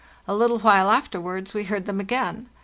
A little while afterwards we heard them again.